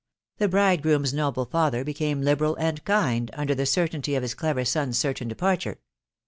The .bridegroom's noble father became liberal and kind*, under the certainty of M» clever sor/s certain de parture